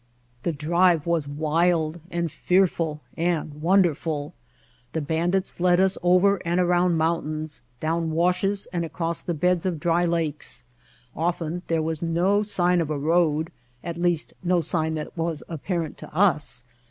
The drive was wild and fearful and wonder ful. The bandits led us over and around moun tains, down washes and across the beds of dry lakes. Often there was no sign of a road, at least no sign that was apparent to us.